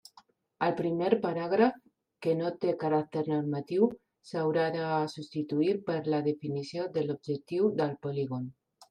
El primer paràgraf, que no té caràcter normatiu, s'haurà de substituir per la definició de l'objectiu del polígon.